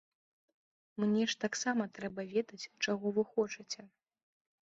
Мне ж таксама трэба ведаць, чаго вы хочаце.